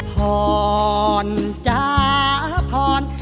พรจ๊ะพร